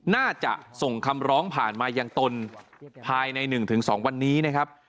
น่าจะส่งคำร้องผ่านมายังตนภายใน๑๒วันนี้นะครับ